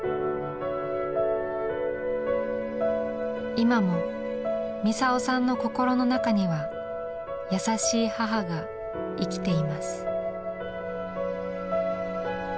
今もミサオさんの心の中には優しい母が生きています。